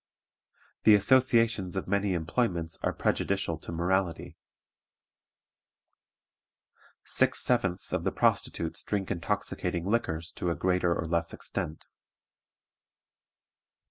The associations of many employments are prejudicial to morality. Six sevenths of the prostitutes drink intoxicating liquors to a greater or less extent.